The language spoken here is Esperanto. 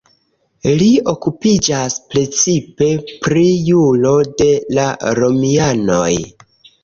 Li okupiĝas precipe pri juro de la romianoj.